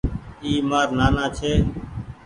اي مآر نآنآ ڇي۔